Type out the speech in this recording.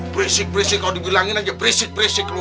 berisik berisik kalau dibilangin aja berisik berisik lo